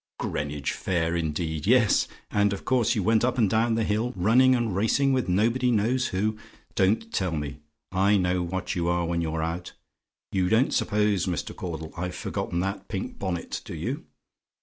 "Greenwich Fair, indeed! Yes, and of course you went up and down the hill, running and racing with nobody knows who. Don't tell me; I know what you are when you're out. You don't suppose, Mr. Caudle, I've forgotten that pink bonnet, do you?